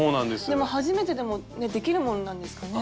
でも初めてでもできるもんなんですかね？